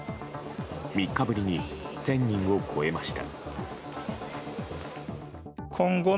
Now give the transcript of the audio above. ３日ぶりに１０００人を超えました。